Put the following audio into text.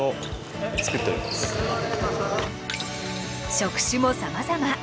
職種もさまざま。